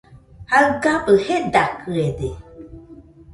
Jaɨgabɨ jedakɨede